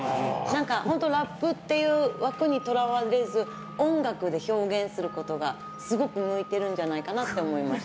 本当にラップっていう枠に捉われず音楽で表現することがすごく向いているんじゃないかと思いました。